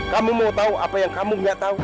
kamu mau tahu apa yang kamu nggak tahu